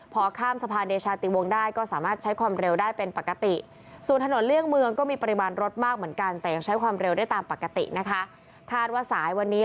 พอข้ามสะพานเดชาติวงได้ก็สามารถใช้ความเร็วได้เป็นปกติ